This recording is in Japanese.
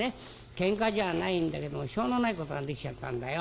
けんかじゃないんだけどもしょうのないことができちゃったんだよ。